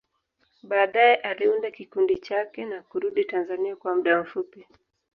Baadaye, aliunda kikundi chake na kurudi Tanzania kwa muda mfupi.